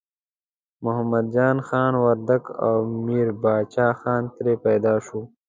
محمد جان خان وردګ او میربچه خان ترې پیدا شو.